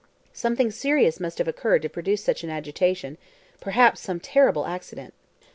Something serious must have occurred to produce such an agitation. Perhaps some terrible accident.